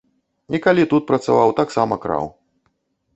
І калі тут працаваў, таксама краў.